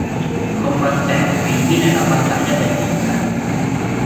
Combatté quindi nella Battaglia dell'Yser.